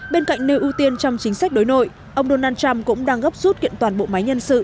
bên cạnh nêu ưu tiên trong chính sách đối nội ông donald trump cũng đang gấp rút kiện toàn bộ máy nhân sự